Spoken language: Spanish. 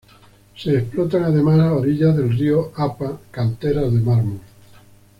Se explotan además, a orillas del río Apa canteras de mármol.